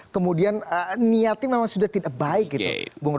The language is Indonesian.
kemudian niatnya memang sudah tidak baik gitu